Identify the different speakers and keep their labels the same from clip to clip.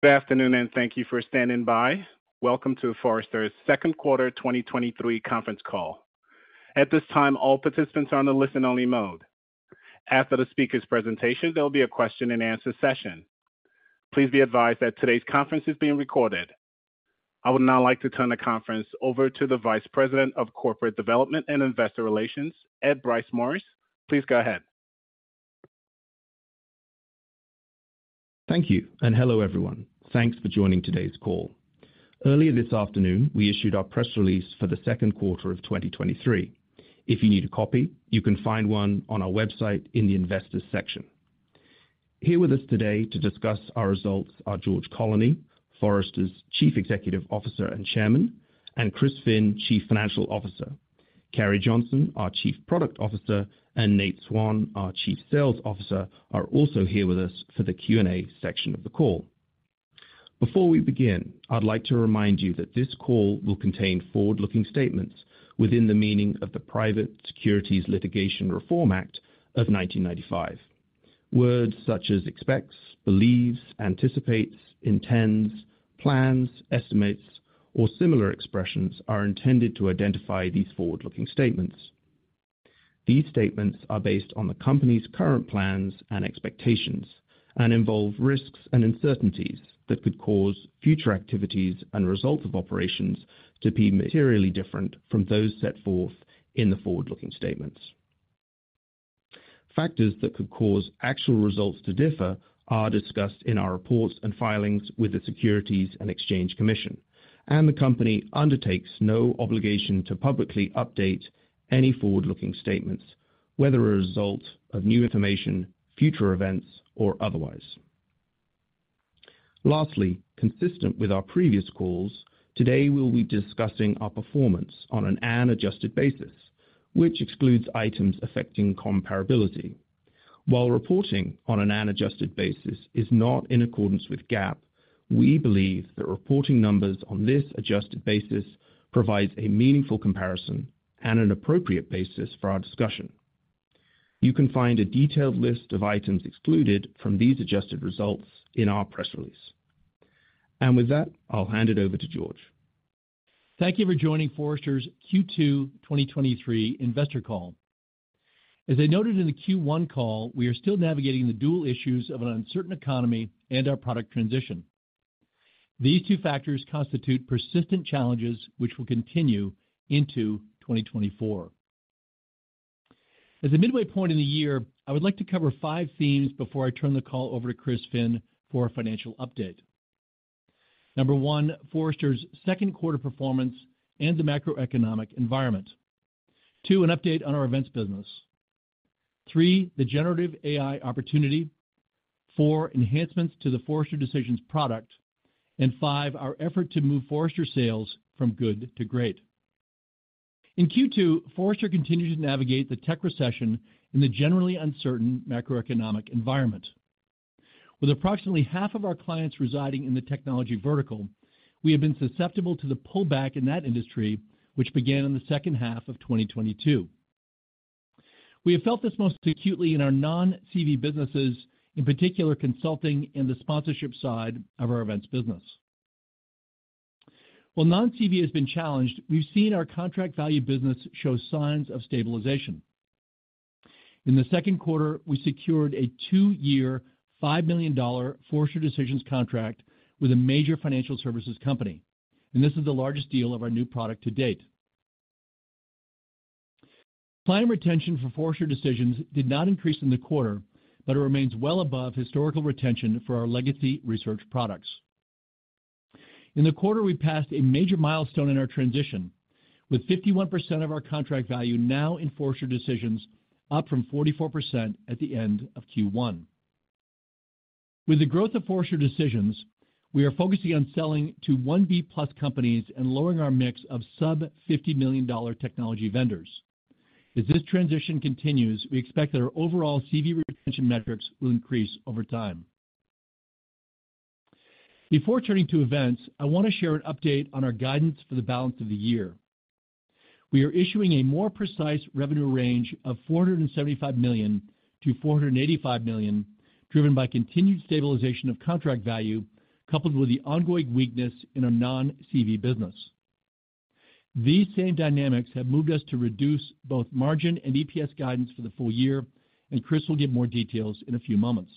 Speaker 1: Good afternoon, and thank you for standing by. Welcome to Forrester's second quarter, 2023 conference call. At this time, all participants are on a listen-only mode. After the speaker's presentation, there will be a question-and-answer session. Please be advised that today's conference is being recorded. I would now like to turn the conference over to the Vice President of Corporate Development and Investor Relations, Ed Bryce-Morris. Please go ahead.
Speaker 2: Thank you, hello, everyone. Thanks for joining today's call. Earlier this afternoon, we issued our press release for the second quarter of 2023. If you need a copy, you can find one on our website in the Investors section. Here with us today to discuss our results are George Colony, Forrester's Chief Executive Officer and Chairman, and Chris Finn, Chief Financial Officer. Carrie Johnson, our Chief Product Officer, and Nate Swan, our Chief Sales Officer, are also here with us for the Q&A section of the call. Before we begin, I'd like to remind you that this call will contain forward-looking statements within the meaning of the Private Securities Litigation Reform Act of 1995. Words such as expects, believes, anticipates, intends, plans, estimates, or similar expressions are intended to identify these forward-looking statements. These statements are based on the company's current plans and expectations and involve risks and uncertainties that could cause future activities and results of operations to be materially different from those set forth in the forward-looking statements. Factors that could cause actual results to differ are discussed in our reports and filings with the Securities and Exchange Commission, and the company undertakes no obligation to publicly update any forward-looking statements, whether a result of new information, future events, or otherwise. Lastly, consistent with our previous calls, today we'll be discussing our performance on an adjusted basis, which excludes items affecting comparability. While reporting on an adjusted basis is not in accordance with GAAP, we believe that reporting numbers on this adjusted basis provides a meaningful comparison and an appropriate basis for our discussion. You can find a detailed list of items excluded from these adjusted results in our press release. With that, I'll hand it over to George.
Speaker 3: Thank you for joining Forrester's Q2 2023 investor call. As I noted in the Q1 call, we are still navigating the dual issues of an uncertain economy and our product transition. These two factors constitute persistent challenges, which will continue into 2024. As a midway point in the year, I would like to cover five themes before I turn the call over to Chris Finn for a financial update. One, Forrester's second quarter performance and the macroeconomic environment. Two,, an update on our events business. Three, the generative AI opportunity. Four, enhancements to the Forrester Decisions product, and five, our effort to move Forrester sales from good to great. In Q2, Forrester continued to navigate the tech recession in the generally uncertain macroeconomic environment. With approximately half of our clients residing in the technology vertical, we have been susceptible to the pullback in that industry, which began in the second half of 2022. We have felt this most acutely in our non-CV businesses, in particular, consulting and the sponsorship side of our events business. While non-CV has been challenged, we've seen our contract value business show signs of stabilization. In the second quarter, we secured a two-year, $5 million Forrester Decisions contract with a major financial services company. This is the largest deal of our new product to date. Client retention for Forrester Decisions did not increase in the quarter, it remains well above historical retention for our legacy research products. In the quarter, we passed a major milestone in our transition, with 51% of our contract value now in Forrester Decisions, up from 44% at the end of Q1. With the growth of Forrester Decisions, we are focusing on selling to $1 billion-plus companies and lowering our mix of sub $50 million technology vendors. As this transition continues, we expect that our overall CV retention metrics will increase over time. Before turning to events, I want to share an update on our guidance for the balance of the year. We are issuing a more precise revenue range of $475 million-$485 million, driven by continued stabilization of contract value, coupled with the ongoing weakness in our non-CV business. These same dynamics have moved us to reduce both margin and EPS guidance for the full year, and Chris will give more details in a few moments.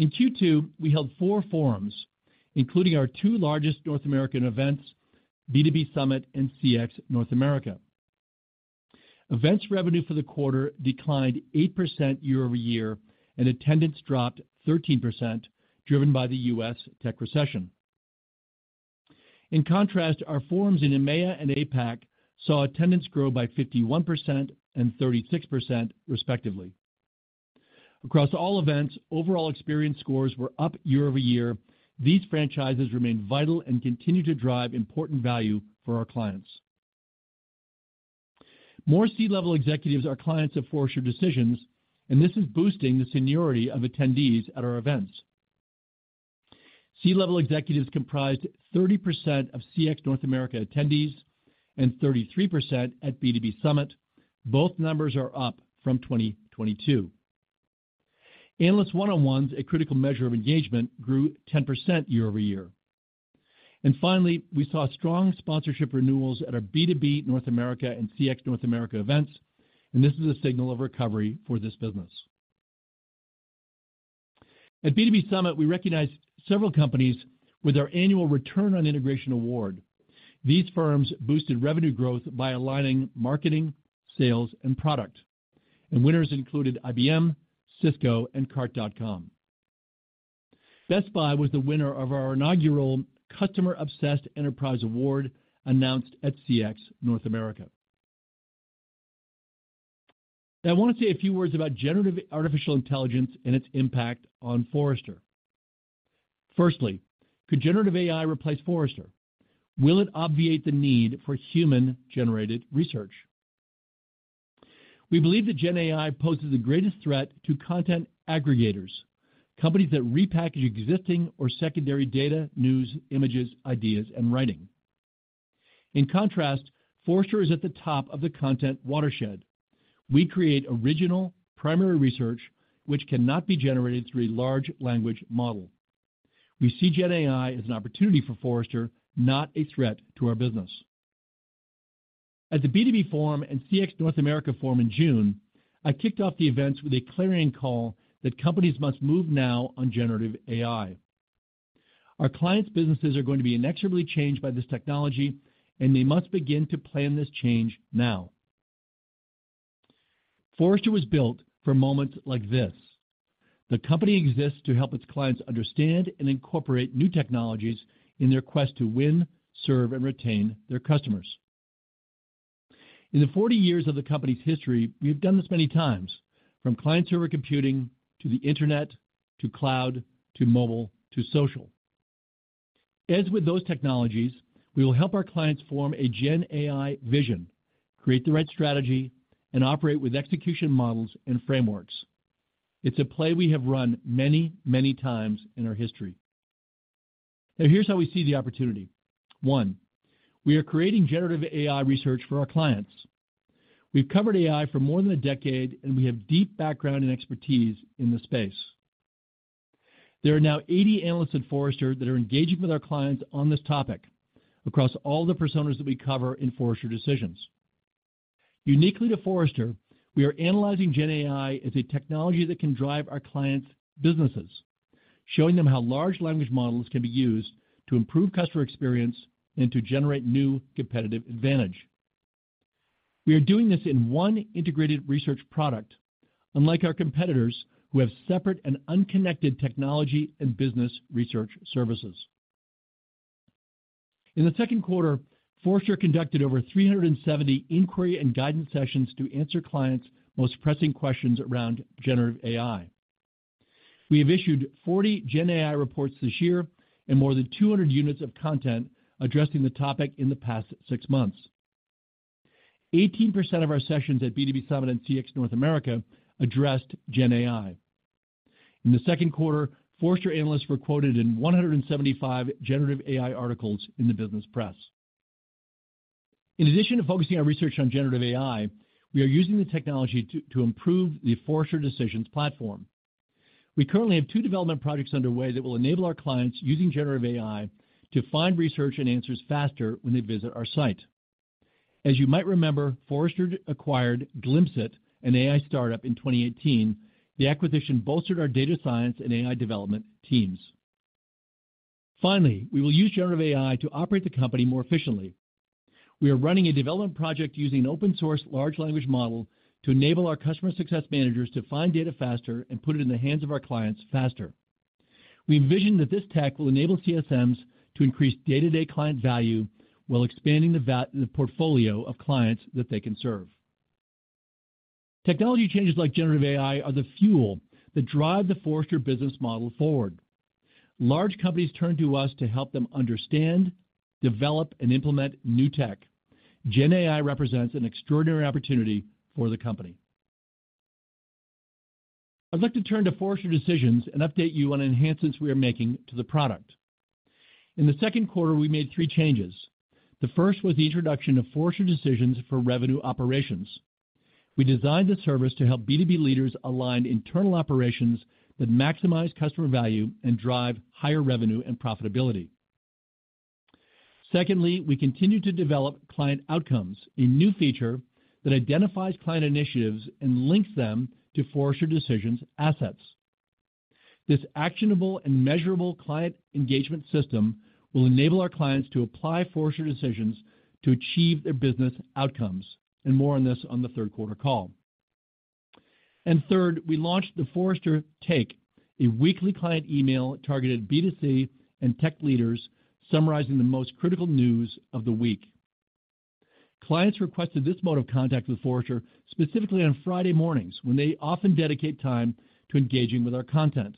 Speaker 3: In Q2, we held four forums, including our two largest North American events, B2B Summit and CX North America. Events revenue for the quarter declined 8% year-over-year, and attendance dropped 13%, driven by the U.S. tech recession. In contrast, our forums in EMEA and APAC saw attendance grow by 51% and 36%, respectively. Across all events, overall experience scores were up year-over-year. These franchises remain vital and continue to drive important value for our clients. More C-level executives are clients of Forrester Decisions, and this is boosting the seniority of attendees at our events. C-level executives comprised 30% of CX North America attendees and 33% at B2B Summit. Both numbers are up from 2022. Analyst one-on-ones, a critical measure of engagement, grew 10% year-over-year. Finally, we saw strong sponsorship renewals at our B2B North America and CX North America events. This is a signal of recovery for this business. At B2B Summit, we recognized several companies with our annual Return on Integration Award. These firms boosted revenue growth by aligning marketing, sales, and product. Winners included IBM, Cisco, and Cart.com. Best Buy was the winner of our inaugural Customer-Obsessed Enterprise Award, announced at CX North America. Now, I want to say a few words about generative artificial intelligence and its impact on Forrester. Firstly, could generative AI replace Forrester? Will it obviate the need for human-generated research? We believe that Gen AI poses the greatest threat to content aggregators, companies that repackage existing or secondary data, news, images, ideas, and writing. In contrast, Forrester is at the top of the content watershed. We create original primary research, which cannot be generated through a large language model. We see Gen AI as an opportunity for Forrester, not a threat to our business. At the B2B Forum and CX North America Forum in June, I kicked off the events with a clarion call that companies must move now on generative AI. Our clients' businesses are going to be inexorably changed by this technology, and they must begin to plan this change now. Forrester was built for moments like this. The company exists to help its clients understand and incorporate new technologies in their quest to win, serve, and retain their customers. In the 40 years of the company's history, we've done this many times, from client-server computing, to the internet, to cloud, to mobile, to social. As with those technologies, we will help our clients form a GenAI vision, create the right strategy, and operate with execution models and frameworks. It's a play we have run many, many times in our history. Now, here's how we see the opportunity. 1. We are creating generative AI research for our clients. We've covered AI for more than a decade, and we have deep background and expertise in the space. There are now 80 analysts at Forrester that are engaging with our clients on this topic across all the personas that we cover in Forrester Decisions. Uniquely to Forrester, we are analyzing GenAI as a technology that can drive our clients' businesses, showing them how large language models can be used to improve customer experience and to generate new competitive advantage. We are doing this in one integrated research product, unlike our competitors, who have separate and unconnected technology and business research services. In the second quarter, Forrester conducted over 370 inquiry and guidance sessions to answer clients' most pressing questions around generative AI. We have issued 40 GenAI reports this year and more than 200 units of content addressing the topic in the past 6 months. 18% of our sessions at B2B Summit and CX North America addressed GenAI. In the second quarter, Forrester analysts were quoted in 175 generative AI articles in the business press. In addition to focusing our research on generative AI, we are using the technology to, to improve the Forrester Decisions platform. We currently have two development projects underway that will enable our clients using generative AI to find research and answers faster when they visit our site. As you might remember, Forrester acquired Glimpzit, an AI startup, in 2018. The acquisition bolstered our data science and AI development teams. Finally, we will use generative AI to operate the company more efficiently. We are running a development project using open source large language model to enable our customer success managers to find data faster and put it in the hands of our clients faster. We envision that this tech will enable CSMs to increase day-to-day client value while expanding the portfolio of clients that they can serve. Technology changes like generative AI are the fuel that drive the Forrester business model forward. Large companies turn to us to help them understand, develop, and implement new tech. Gen AI represents an extraordinary opportunity for the company. I'd like to turn to Forrester Decisions and update you on enhancements we are making to the product. In the second quarter, we made three changes. The first was the introduction of Forrester Decisions for Revenue Operations. We designed this service to help B2B leaders align internal operations that maximize customer value and drive higher revenue and profitability. Secondly, we continue to develop client outcomes, a new feature that identifies client initiatives and links them to Forrester Decisions assets. This actionable and measurable client engagement system will enable our clients to apply Forrester Decisions to achieve their business outcomes, and more on this on the third quarter call. Third, we launched the Forrester Take, a weekly client email targeted B2C and tech leaders, summarizing the most critical news of the week. Clients requested this mode of contact with Forrester, specifically on Friday mornings, when they often dedicate time to engaging with our content.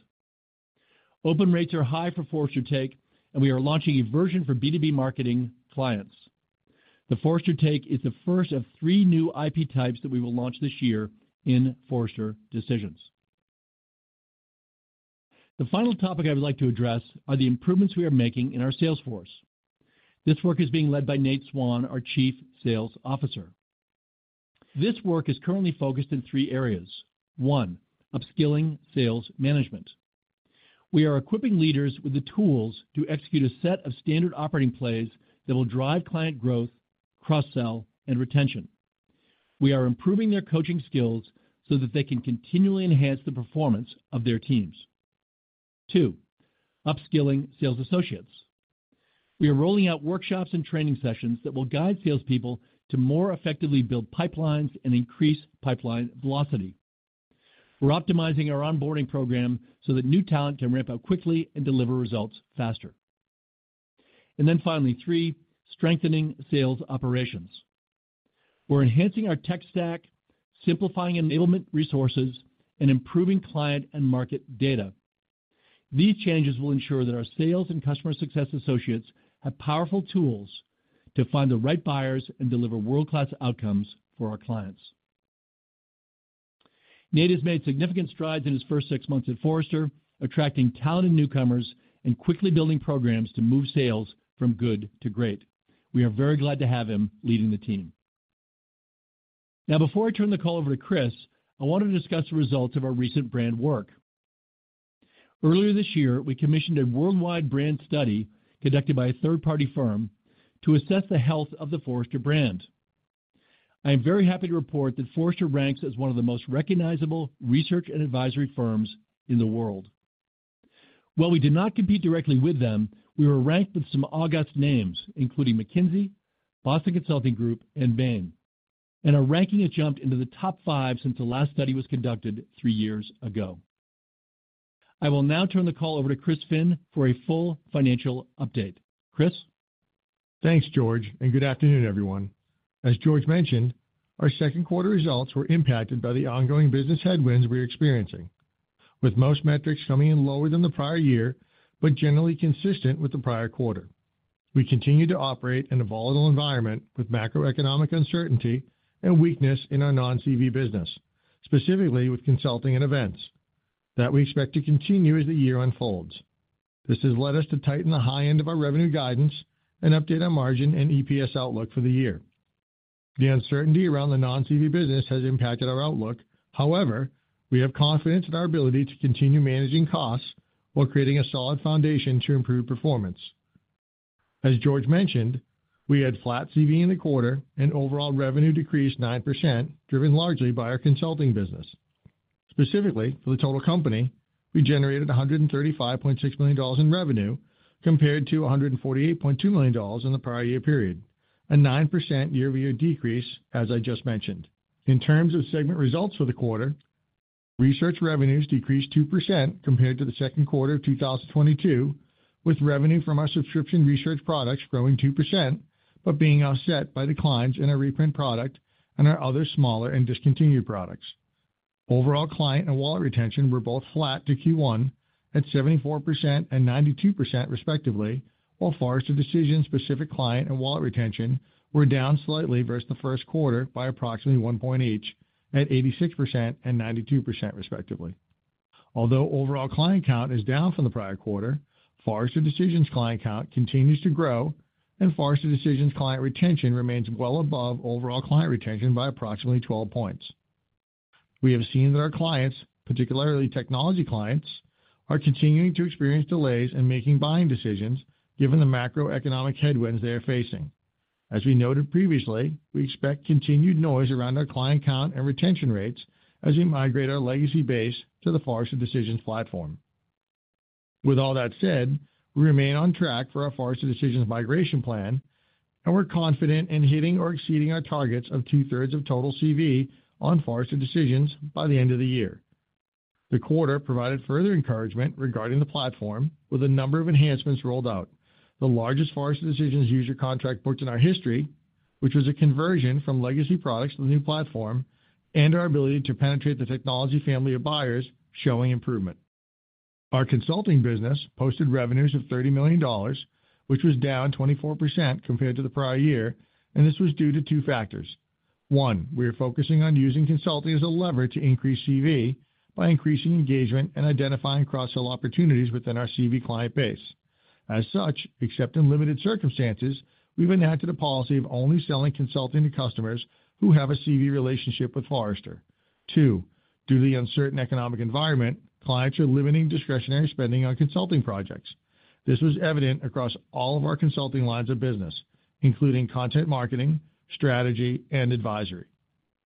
Speaker 3: Open rates are high for Forrester Take, and we are launching a version for B2B marketing clients.... The Forrester Take is the first of 3 new IP types that we will launch this year in Forrester Decisions. The final topic I would like to address are the improvements we are making in our sales force. This work is being led by Nate Swan, our Chief Sales Officer. This work is currently focused in 3 areas. 1, upskilling sales management. We are equipping leaders with the tools to execute a set of standard operating plays that will drive client growth, cross-sell, and retention. We are improving their coaching skills so that they can continually enhance the performance of their teams. 2, upskilling sales associates. We are rolling out workshops and training sessions that will guide salespeople to more effectively build pipelines and increase pipeline velocity. We're optimizing our onboarding program so that new talent can ramp up quickly and deliver results faster. Finally, 3, strengthening sales operations. We're enhancing our tech stack, simplifying enablement resources, and improving client and market data. These changes will ensure that our sales and customer success associates have powerful tools to find the right buyers and deliver world-class outcomes for our clients. Nate has made significant strides in his first six months at Forrester, attracting talented newcomers and quickly building programs to move sales from good to great. We are very glad to have him leading the team. Now, before I turn the call over to Chris, I want to discuss the results of our recent brand work. Earlier this year, we commissioned a worldwide brand study, conducted by a third-party firm, to assess the health of the Forrester brand. I am very happy to report that Forrester ranks as one of the most recognizable research and advisory firms in the world. While we did not compete directly with them, we were ranked with some august names, including McKinsey, Boston Consulting Group, and Bain. Our ranking has jumped into the top five since the last study was conducted three years ago. I will now turn the call over to Chris Finn for a full financial update. Chris?
Speaker 4: Thanks, George, and good afternoon, everyone. As George mentioned, our second quarter results were impacted by the ongoing business headwinds we're experiencing, with most metrics coming in lower than the prior year, but generally consistent with the prior quarter. We continue to operate in a volatile environment, with macroeconomic uncertainty and weakness in our non-CV business, specifically with consulting and events, that we expect to continue as the year unfolds. This has led us to tighten the high end of our revenue guidance and update our margin and EPS outlook for the year. The uncertainty around the non-CV business has impacted our outlook. However, we have confidence in our ability to continue managing costs while creating a solid foundation to improve performance. As George mentioned, we had flat CV in the quarter, and overall revenue decreased 9%, driven largely by our consulting business. Specifically, for the total company, we generated $135.6 million in revenue, compared to $148.2 million in the prior year period, a 9% year-over-year decrease, as I just mentioned. In terms of segment results for the quarter, research revenues decreased 2% compared to the second quarter of 2022, with revenue from our subscription research products growing 2%, being offset by declines in our reprint product and our other smaller and discontinued products. Overall, client and wallet retention were both flat to Q1 at 74% and 92%, respectively, while Forrester Decisions-specific client and wallet retention were down slightly versus the first quarter by approximately 1 point each, at 86% and 92%, respectively. Although overall client count is down from the prior quarter, Forrester Decisions' client count continues to grow, and Forrester Decisions' client retention remains well above overall client retention by approximately 12 points. We have seen that our clients, particularly technology clients, are continuing to experience delays in making buying decisions given the macroeconomic headwinds they are facing. As we noted previously, we expect continued noise around our client count and retention rates as we migrate our legacy base to the Forrester Decisions platform. With all that said, we remain on track for our Forrester Decisions migration plan, and we're confident in hitting or exceeding our targets of two-thirds of total CV on Forrester Decisions by the end of the year. The quarter provided further encouragement regarding the platform, with a number of enhancements rolled out. The largest Forrester Decisions user contract ports in our history, which was a conversion from legacy products to the new platform, and our ability to penetrate the technology family of buyers showing improvement. Our consulting business posted revenues of $30 million, which was down 24% compared to the prior year, and this was due to two factors. One, we are focusing on using consulting as a lever to increase CV by increasing engagement and identifying cross-sell opportunities within our CV client base. As such, except in limited circumstances, we've enacted a policy of only selling consulting to customers who have a CV relationship with Forrester. Two, due to the uncertain economic environment, clients are limiting discretionary spending on consulting projects. This was evident across all of our consulting lines of business, including content marketing, strategy, and advisory.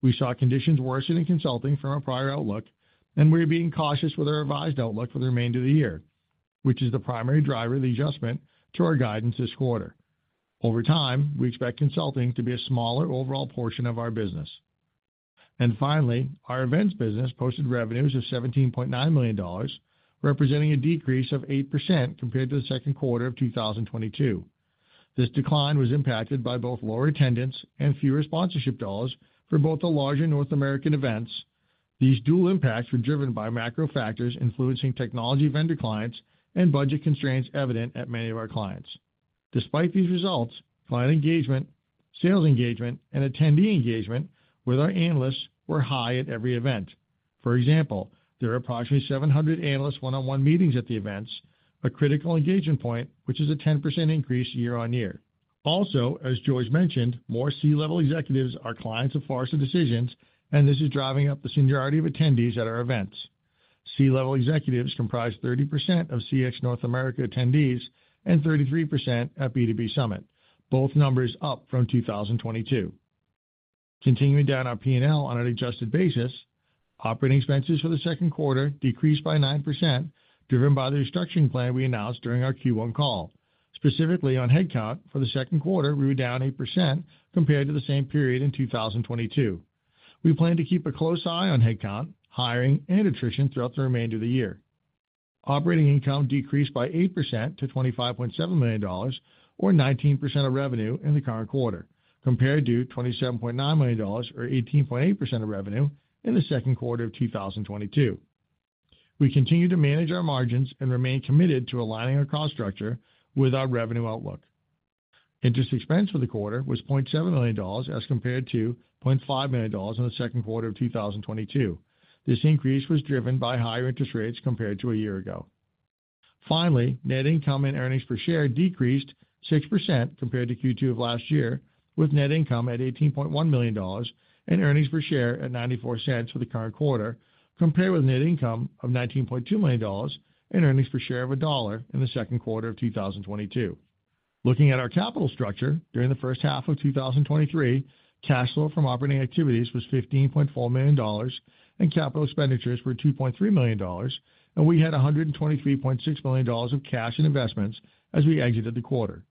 Speaker 4: We saw conditions worsen in consulting from our prior outlook, and we're being cautious with our revised outlook for the remainder of the year, which is the primary driver of the adjustment to our guidance this quarter. Over time, we expect consulting to be a smaller overall portion of our business. Finally, our events business posted revenues of $17.9 million, representing a decrease of 8% compared to the second quarter of 2022. This decline was impacted by both lower attendance and fewer sponsorship dollars for both the larger North American events. These dual impacts were driven by macro factors influencing technology vendor clients and budget constraints evident at many of our clients. Despite these results, client engagement, sales engagement, and attendee engagement with our analysts were high at every event. For example, there are approximately 700 analyst one-on-one meetings at the events, a critical engagement point, which is a 10% increase year-on-year. Also, as George mentioned, more C-level executives are clients of Forrester Decisions, and this is driving up the seniority of attendees at our events. C-level executives comprise 30% of CX North America attendees and 33% at B2B Summit, both numbers up from 2022. Continuing down our P&L on an adjusted basis, operating expenses for the second quarter decreased by 9%, driven by the restructuring plan we announced during our Q1 call. Specifically, on headcount, for the second quarter, we were down 8% compared to the same period in 2022. We plan to keep a close eye on headcount, hiring, and attrition throughout the remainder of the year. Operating income decreased by 8% to $25.7 million, or 19% of revenue in the current quarter, compared to $27.9 million, or 18.8% of revenue in the second quarter of 2022. We continue to manage our margins and remain committed to aligning our cost structure with our revenue outlook. Interest expense for the quarter was $0.7 million as compared to $0.5 million in the second quarter of 2022. This increase was driven by higher interest rates compared to a year ago. Finally, net income and earnings per share decreased 6% compared to Q2 of last year, with net income at $18.1 million and earnings per share at $0.94 for the current quarter, compared with net income of $19.2 million and earnings per share of $1 in the second quarter of 2022. Looking at our capital structure, during the first half of 2023, cash flow from operating activities was $15.4 million, and capital expenditures were $2.3 million, and we had $123.6 million of cash and investments as we exited the quarter.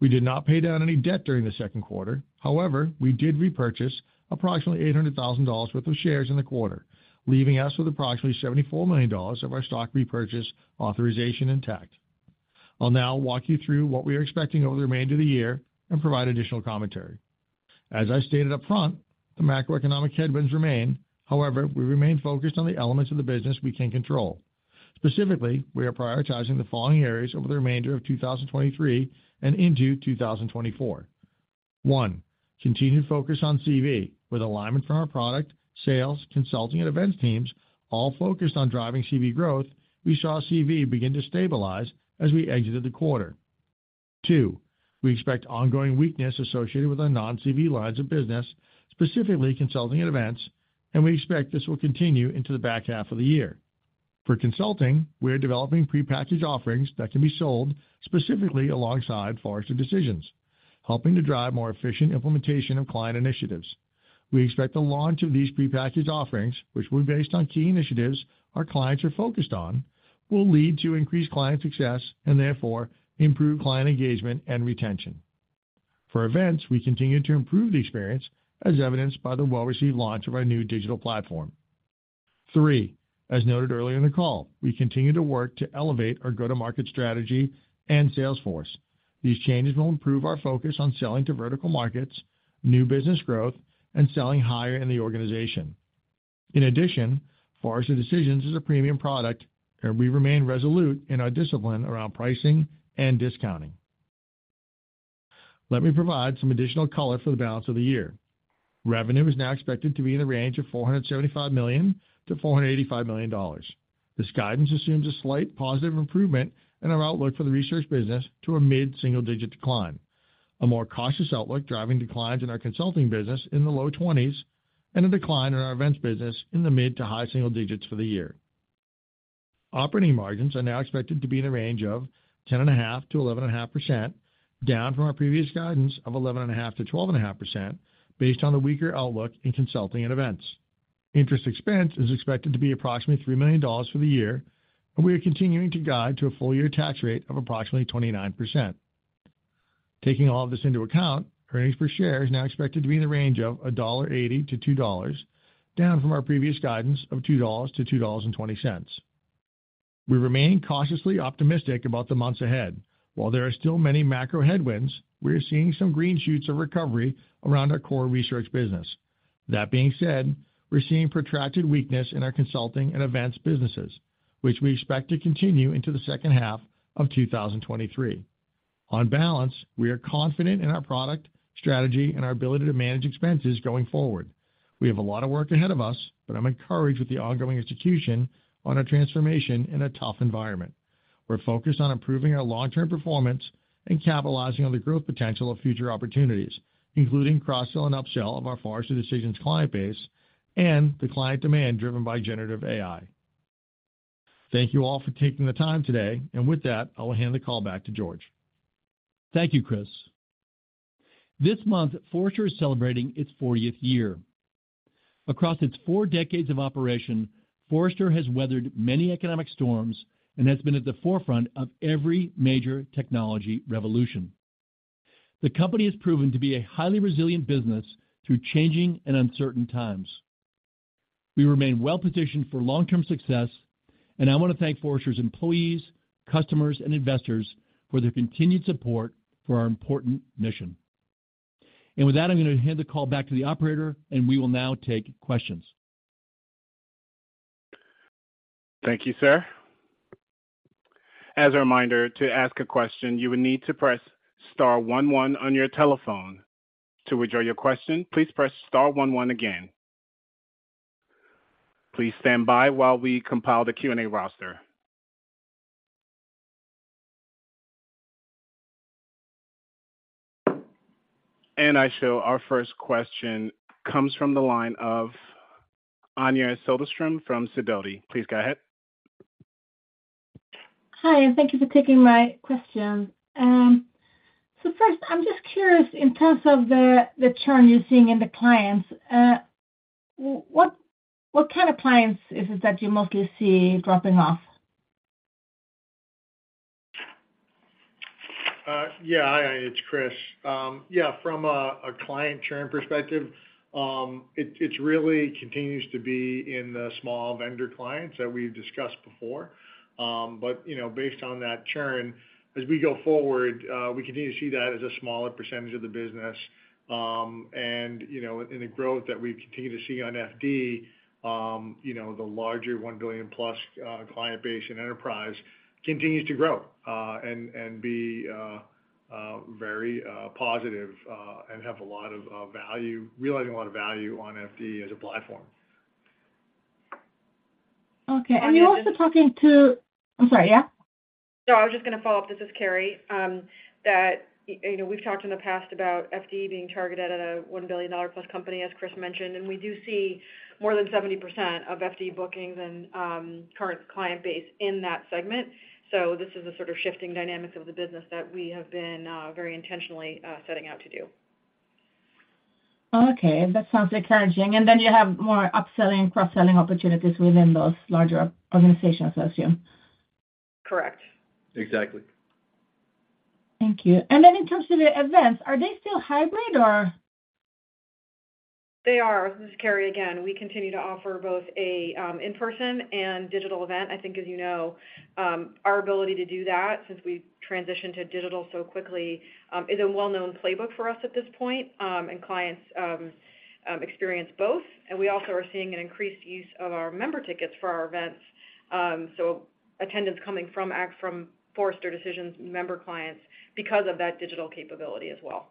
Speaker 4: We did not pay down any debt during the second quarter. However, we did repurchase approximately $800,000 worth of shares in the quarter, leaving us with approximately $74 million of our stock repurchase authorization intact. I'll now walk you through what we are expecting over the remainder of the year and provide additional commentary. As I stated upfront, the macroeconomic headwinds remain. However, we remain focused on the elements of the business we can control. Specifically, we are prioritizing the following areas over the remainder of 2023 and into 2024. 1, continued focus on CV. With alignment from our product, sales, consulting, and events teams, all focused on driving CV growth, we saw CV begin to stabilize as we exited the quarter. 2, we expect ongoing weakness associated with our non-CV lines of business, specifically consulting and events, and we expect this will continue into the back half of the year. For consulting, we are developing prepackaged offerings that can be sold specifically alongside Forrester Decisions, helping to drive more efficient implementation of client initiatives. We expect the launch of these prepackaged offerings, which were based on key initiatives our clients are focused on, will lead to increased client success and therefore improved client engagement and retention. For events, we continue to improve the experience, as evidenced by the well-received launch of our new digital platform. 3, as noted earlier in the call, we continue to work to elevate our go-to-market strategy and sales force. These changes will improve our focus on selling to vertical markets, new business growth, and selling higher in the organization. In addition, Forrester Decisions is a premium product, and we remain resolute in our discipline around pricing and discounting. Let me provide some additional color for the balance of the year. Revenue is now expected to be in the range of $475 million-$485 million. This guidance assumes a slight positive improvement in our outlook for the research business to a mid-single-digit decline, a more cautious outlook, driving declines in our consulting business in the low 20s, and a decline in our events business in the mid to high single digits for the year. Operating margins are now expected to be in a range of 10.5%-11.5%, down from our previous guidance of 11.5%-12.5%, based on the weaker outlook in consulting and events. Interest expense is expected to be approximately $3 million for the year, and we are continuing to guide to a full year tax rate of approximately 29%. Taking all this into account, earnings per share is now expected to be in the range of $1.80-$2.00, down from our previous guidance of $2.00-$2.20. We remain cautiously optimistic about the months ahead. While there are still many macro headwinds, we are seeing some green shoots of recovery around our core research business. That being said, we're seeing protracted weakness in our consulting and events businesses, which we expect to continue into the second half of 2023. On balance, we are confident in our product strategy and our ability to manage expenses going forward. We have a lot of work ahead of us, but I'm encouraged with the ongoing execution on our transformation in a tough environment. We're focused on improving our long-term performance and capitalizing on the growth potential of future opportunities, including cross-sell and upsell of our Forrester Decisions client base and the client demand driven by generative AI. Thank you all for taking the time today, and with that, I will hand the call back to George.
Speaker 3: Thank you, Chris. This month, Forrester is celebrating its 40th year. Across its four decades of operation, Forrester has weathered many economic storms and has been at the forefront of every major technology revolution. The company has proven to be a highly resilient business through changing and uncertain times. We remain well-positioned for long-term success, and I want to thank Forrester's employees, customers, and investors for their continued support for our important mission. With that, I'm going to hand the call back to the operator, and we will now take questions.
Speaker 1: Thank you, sir. As a reminder, to ask a question, you will need to press star one one on your telephone. To withdraw your question, please press star one one again. Please stand by while we compile the Q&A roster. I show our first question comes from the line of Anja Soderstrom from Sidoti. Please go ahead.
Speaker 5: Hi, thank you for taking my question. So first, I'm just curious, in terms of the, the churn you're seeing in the clients, what, what kind of clients is it that you mostly see dropping off?
Speaker 4: Yeah. Hi, it's Chris. Yeah, from a client churn perspective, it, it's really continues to be in the small vendor clients that we've discussed before. You know, based on that churn, as we go forward, we continue to see that as a smaller percentage of the business. You know, in the growth that we continue to see on FD, you know, the larger $1 billion-plus client base and enterprise continues to grow and be very positive and have a lot of value, realizing a lot of value on FD as a platform.
Speaker 5: Okay. You're also talking to-- I'm sorry. Yeah?
Speaker 6: No, I was just gonna follow up, this is Carrie. That, you know, we've talked in the past about FD being targeted at a +$1 billion company, as Chris mentioned, and we do see more than 70% of FD bookings and current client base in that segment. This is a sort of shifting dynamics of the business that we have been very intentionally setting out to do.
Speaker 5: Okay, that sounds encouraging. Then you have more upselling and cross-selling opportunities within those larger organizations, I assume?
Speaker 6: Correct.
Speaker 7: Exactly.
Speaker 5: Thank you. Then in terms of the events, are they still hybrid or?
Speaker 6: They are. This is Carrie again, we continue to offer both a in-person and digital event. I think as you know, our ability to do that since we transitioned to digital so quickly, is a well-known playbook for us at this point, and clients experience both. We also are seeing an increased use of our member tickets for our events, so attendance coming from from Forrester Decisions member clients because of that digital capability as well.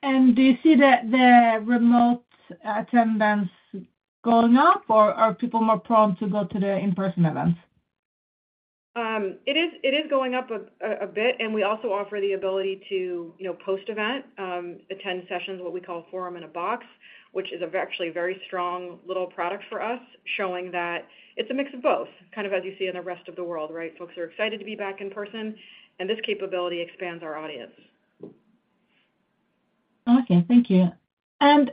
Speaker 5: Do you see the, the remote attendance going up, or are people more prone to go to the in-person events?
Speaker 6: It is, it is going up a bit, and we also offer the ability to, you know, post-event, attend sessions, what we call Forum In A Box, which is actually a very strong little product for us, showing that it's a mix of both, kind of as you see in the rest of the world, right? Folks are excited to be back in person, and this capability expands our audience.
Speaker 5: Okay, thank you. In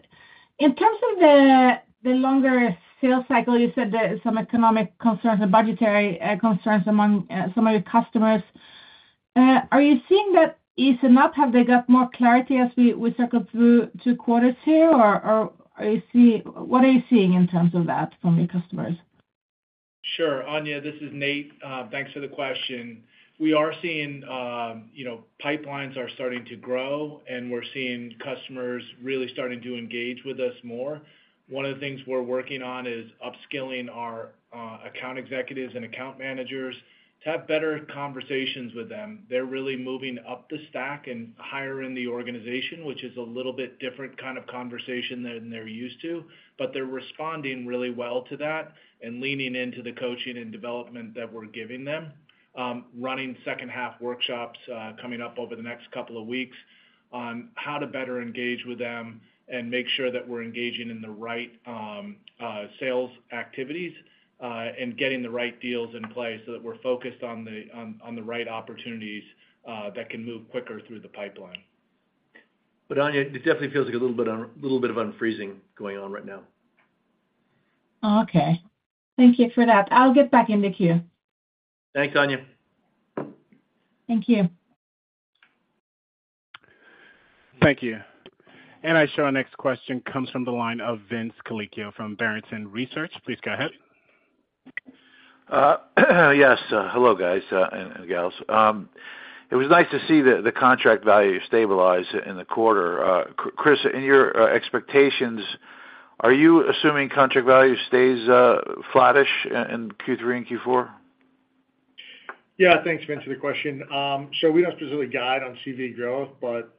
Speaker 5: terms of the, the longer sales cycle, you said that some economic concerns and budgetary concerns among some of your customers. Are you seeing that ease them up? Have they got more clarity as we, we cycle through two quarters here? What are you seeing in terms of that from your customers?
Speaker 7: Sure. Anja, this is Nate. Thanks for the question. We are seeing, you know, pipelines are starting to grow, and we're seeing customers really starting to engage with us more. One of the things we're working on is upskilling our account executives and account managers to have better conversations with them. They're really moving up the stack and higher in the organization, which is a little bit different kind of conversation than they're used to, but they're responding really well to that and leaning into the coaching and development that we're giving them. Running second half workshops, coming up over the next couple of weeks on how to better engage with them and make sure that we're engaging in the right sales activities and getting the right deals in place so that we're focused on the right opportunities that can move quicker through the pipeline.
Speaker 3: Anja, it definitely feels like a little bit, a little bit of unfreezing going on right now.
Speaker 5: Okay. Thank you for that. I'll get back in the queue.
Speaker 7: Thanks, Anja.
Speaker 5: Thank you.
Speaker 1: Thank you. I show our next question comes from the line of Vince Colicchio from Barrington Research. Please go ahead.
Speaker 8: Yes, hello, guys, and, and gals. It was nice to see the, the contract value stabilize in the quarter. Chris, in your expectations, are you assuming contract value stays flattish in Q3 and Q4?
Speaker 4: Yeah. Thanks, Vince, for the question. We don't specifically guide on CV growth, but,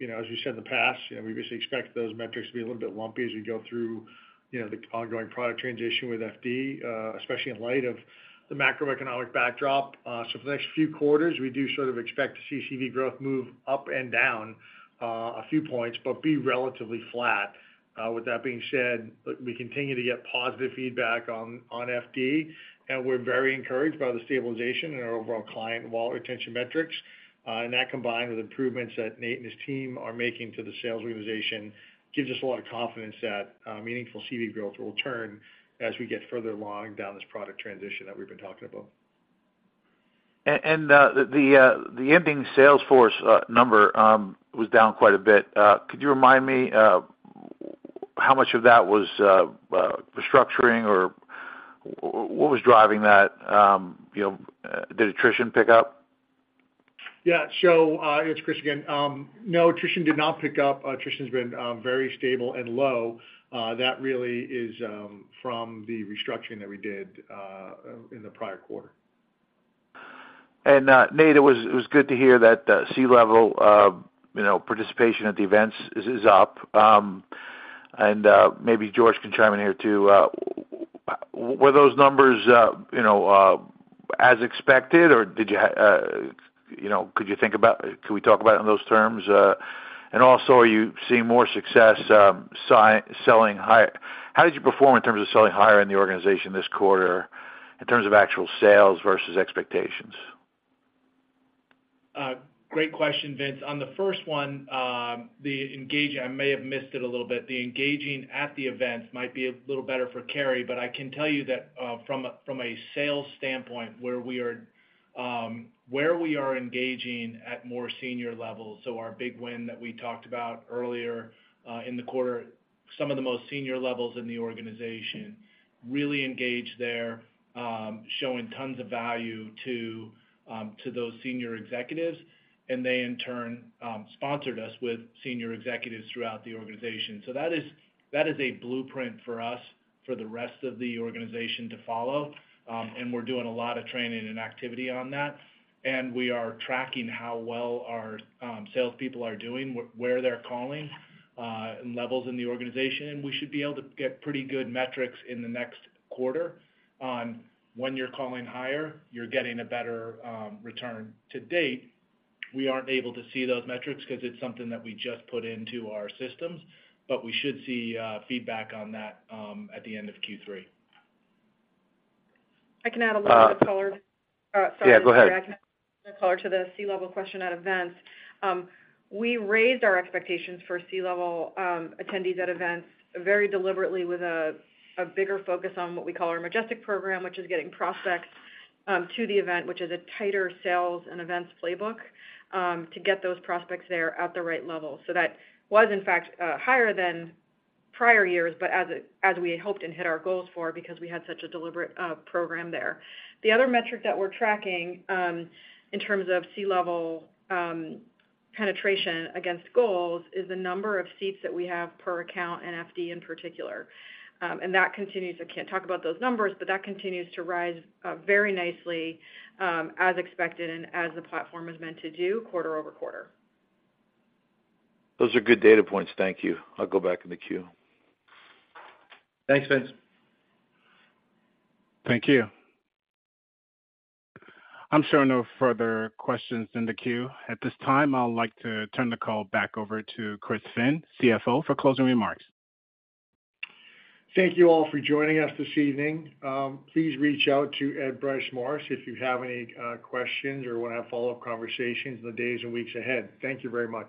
Speaker 4: you know, as you said in the past, you know, we basically expect those metrics to be a little bit lumpy as we go through, you know, the ongoing product transition with FD, especially in light of the macroeconomic backdrop. For the next few quarters, we do sort of expect to see CV growth move up and down, a few points, but be relatively flat. With that being said, we continue to get positive feedback on, on FD, and we're very encouraged by the stabilization in our overall client wallet retention metrics. That, combined with improvements that Nate and his team are making to the sales organization, gives us a lot of confidence that meaningful CV growth will turn as we get further along down this product transition that we've been talking about.
Speaker 8: The ending sales force number was down quite a bit. Could you remind me how much of that was restructuring or what was driving that? You know, did attrition pick up?
Speaker 4: Yeah. It's Chris again. No, attrition did not pick up. Attrition's been very stable and low. That really is from the restructuring that we did in the prior quarter.
Speaker 8: Nate, it was, it was good to hear that C-level, you know, participation at the events is up. Maybe George can chime in here, too. Were those numbers, you know, as expected, or did you have, you know, could we talk about it in those terms? Also, are you seeing more success selling higher in the organization this quarter in terms of actual sales versus expectations?
Speaker 7: Great question, Vince. On the first one, the engage... I may have missed it a little bit. The engaging at the events might be a little better for Carrie, but I can tell you that, from a, from a sales standpoint, where we are, where we are engaging at more senior levels, so our big win that we talked about earlier, in the quarter, some of the most senior levels in the organization really engaged there, showing tons of value to, to those senior executives, and they in turn, sponsored us with senior executives throughout the organization. That is, that is a blueprint for us, for the rest of the organization to follow. We're doing a lot of training and activity on that, and we are tracking how well our salespeople are doing, where they're calling, and levels in the organization. We should be able to get pretty good metrics in the next quarter on when you're calling higher, you're getting a better return. To date, we aren't able to see those metrics because it's something that we just put into our systems. We should see feedback on that at the end of Q3.
Speaker 6: I can add a little bit of color.
Speaker 8: Yeah, go ahead.
Speaker 6: I can add color to the C-level question at events. We raised our expectations for C-level attendees at events very deliberately with a, a bigger focus on what we call our Majestic program, which is getting prospects to the event, which is a tighter sales and events playbook to get those prospects there at the right level. That was, in fact, higher than prior years, but as it as we had hoped and hit our goals for, because we had such a deliberate program there. The other metric that we're tracking, in terms of C-level penetration against goals, is the number of seats that we have per account, FD in particular. That continues, I can't talk about those numbers, but that continues to rise, very nicely, as expected and as the platform is meant to do quarter-over-quarter.
Speaker 8: Those are good data points. Thank you. I'll go back in the queue.
Speaker 3: Thanks, Vince.
Speaker 1: Thank you. I'm showing no further questions in the queue. At this time, I'd like to turn the call back over to Chris Finn, CFO, for closing remarks.
Speaker 4: Thank you all for joining us this evening. Please reach out to Ed Bryce Morris if you have any questions or want to have follow-up conversations in the days and weeks ahead. Thank you very much.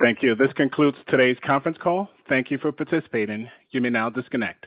Speaker 1: Thank you. This concludes today's conference call. Thank you for participating. You may now disconnect.